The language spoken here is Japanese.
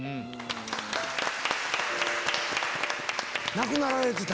亡くなられてた。